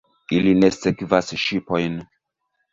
Ili ne sekvas ŝipojn.